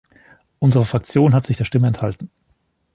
Unsere Fraktion hat sich der Stimme enthalten.